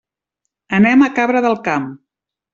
Anem a Cabra del Camp.